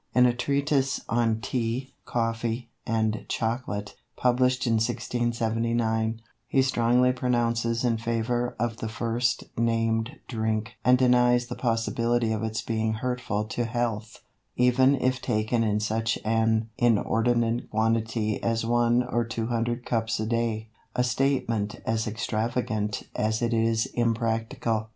In a treatise on "Tea, Coffee, and Chocolate," published in 1679, he strongly pronounces in favour of the first named drink, and denies the possibility of its being hurtful to health, even if taken in such an inordinate quantity as one or two hundred cups a day, a statement as extravagant as it is impracticable.